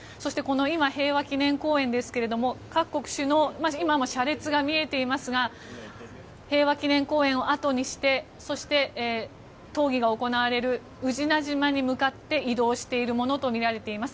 今、平和記念公園ですが各国首脳の車列が見えていますが平和記念公園を後にして討議が行われる宇品島に向かって移動しているものとみられています。